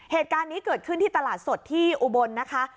เหตุการณ์นี้เกิดขึ้นที่ตลาดสดที่อุบลนะคะ